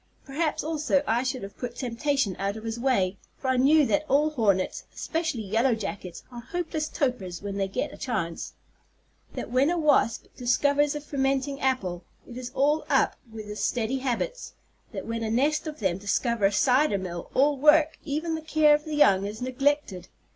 Perhaps, also, I should have put temptation out of his way; for I knew that all hornets, especially yellow jackets, are hopeless topers when they get a chance; that when a wasp discovers a fermenting apple, it is all up with his steady habits; that when a nest of them discover a cider mill, all work, even the care of the young, is neglected.